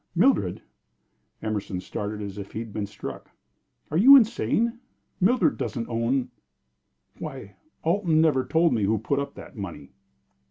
"Mildred!" Emerson started as if he had been struck. "Are you insane? Mildred doesn't own Why, Alton never told me who put up that money!"